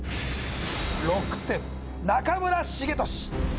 ６点中村栄利